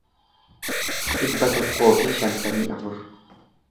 dhibba tokkoo fi shantamii afur